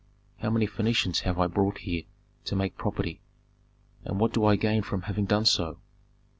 "How many Phœnicians have I brought here to make property, and what do I gain from having done so!